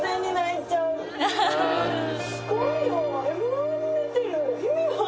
すごいよ。